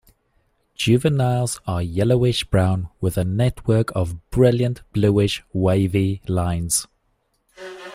Juveniles are yellowish brown with a network of brilliant bluish wavy lines.